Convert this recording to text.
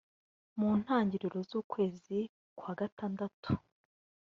mu ntangiriro z’ukwezi kwa Gatandatu